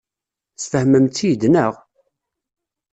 Tesfehmem-tt-id, naɣ?